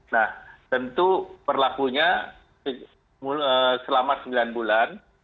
nah tentu berlakunya selama sembilan bulan